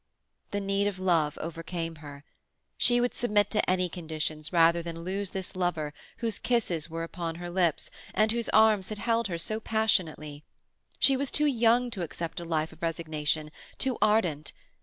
The need of love overcame her. She would submit to any conditions rather than lose this lover whose kisses were upon her lips, and whose arms had held her so passionately. She was too young to accept a life of resignation, too ardent.